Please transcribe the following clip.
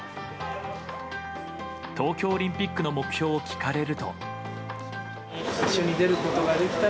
東京オリンピックの目標を聞かれると。